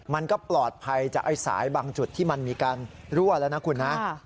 มันก็ปลอดภัยจากไอ้สายบางจุดที่มันมีการรั่วแล้วนะคุณนะ